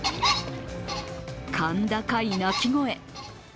甲高い鳴き声。